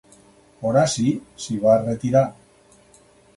Horaci s'hi va retirar.